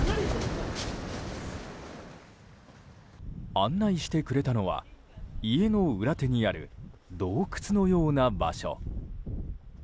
案内してくれたのは家の裏手にある洞窟のような場所。